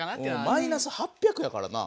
マイナス８００やからな。